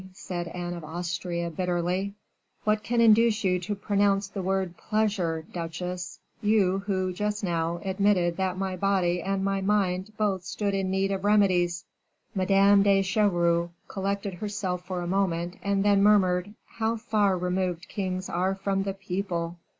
said Anne of Austria, bitterly. "What can induce you to pronounce the word 'pleasure,' duchesse you who, just now, admitted that my body and my mind both stood in need of remedies?" Madame de Chevreuse collected herself for a moment, and then murmured, "How far removed kings are from other people!"